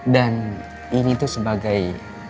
dan ini tuh sebagai